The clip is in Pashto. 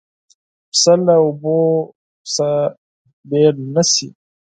پسه له اوبو نه بېل نه شي.